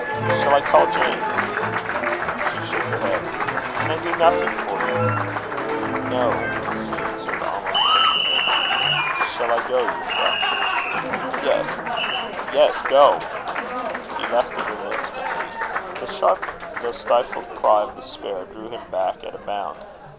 "Shall I call Jane?" She shook her head. "Can I do nothing for you?" "No," she answered, almost angrily. "Shall I go, Euphra?" "Yes yes. Go." He left the room instantly. But a sharp though stifled cry of despair drew him back at a bound.